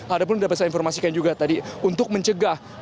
ada pun ada banyak informasi yang juga tadi untuk mencegah